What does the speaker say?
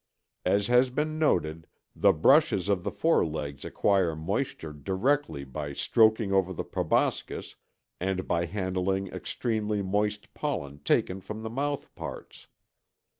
As has been noted, the brushes of the forelegs acquire moisture directly by stroking over the proboscis and by handling extremely moist pollen taken from the mouthparts.